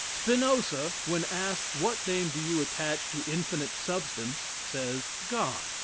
Spinoza, when asked "What name do you attach to infinite substance?" says, "God."